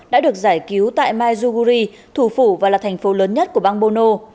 đã được giải cứu tại maijuguri thủ phủ và là thành phố lớn nhất của bang bono